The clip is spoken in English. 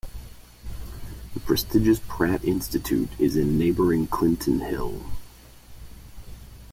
The prestigious Pratt Institute is in neighboring Clinton Hill.